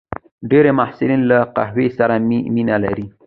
ډېری محصلین له قهوې سره مینه لري.